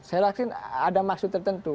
saya yakin ada maksud tertentu